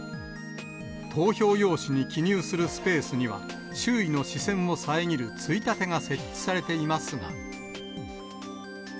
投票用紙に記入するスペースには、周囲の視線を遮るついたてが設置されていますが。